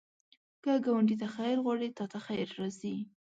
که ګاونډي ته خیر غواړې، تا ته خیر راځي